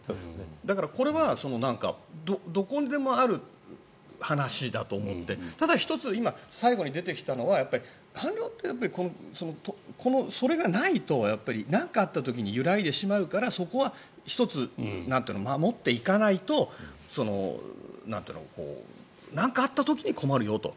だからこれはどこにでもある話だと思ってただ１つ今、最後に出てきたのは官僚って、それがないとなんかあった時に揺らいでしまうからそこは１つ、守っていかないとなんかあった時に困るよと。